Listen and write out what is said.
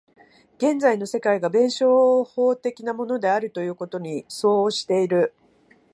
現実の世界が弁証法的なものであるということに相応している。